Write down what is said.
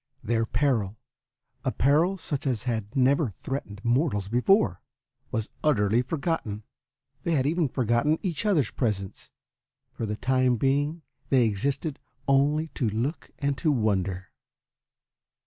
Their peril, a peril such as had never threatened mortals before, was utterly forgotten. They had even forgotten each other's presence. For the time being they existed only to look and to wonder.